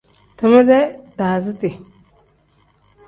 Time-dee daaziti.